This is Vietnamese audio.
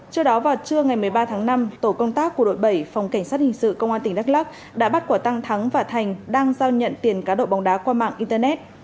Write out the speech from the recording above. trước đó vào trưa ngày một mươi ba tháng năm tổ công tác của đội bảy phòng cảnh sát hình sự công an tỉnh đắk lắc đã bắt quả tăng thắng và thành đang giao nhận tiền cá độ bóng đá qua mạng internet